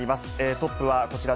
トップはこちら。